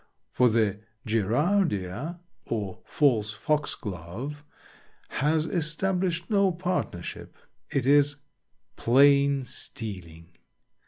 For the Gerardia or false foxglove has established no partnership; it is plain stealing.